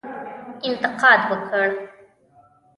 انتقاد وکړ.